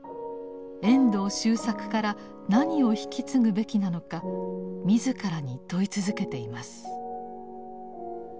遠藤周作から何を引き継ぐべきなのか自らに問い続けています。